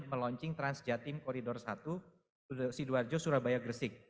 melaunching transjatim koridor satu sidoarjo surabaya gresik